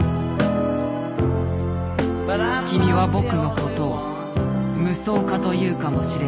君は僕のことを夢想家と言うかもしれない。